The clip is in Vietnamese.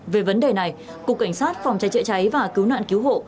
về vấn đề này cục cảnh sát phòng trái trịa trái và cứu nạn cứu hộ